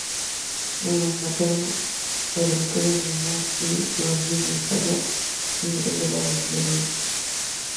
Y los maternos, Fadrique de Guzmán y Gregoria de Zayas, señores de la Higuera.